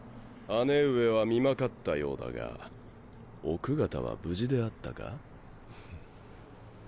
姉上は身罷ったようだが奥方は無事であったか？